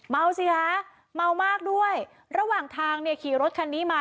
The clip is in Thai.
สิคะเมามากด้วยระหว่างทางเนี่ยขี่รถคันนี้มา